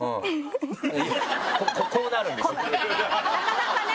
なかなかね